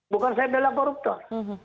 bukan saya adalah koruptor